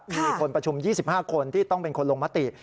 มีคนประชุม๒๕คนที่ต้องเป็นคนลงมติ